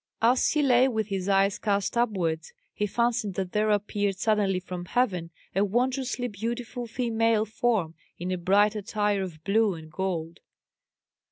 As he lay with his eyes cast upwards, he fancied that there appeared suddenly from heaven a wondrously beautiful female form in a bright attire of blue and gold.